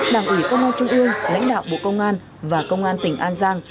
đảng ủy công an trung ương lãnh đạo bộ công an và công an tỉnh an giang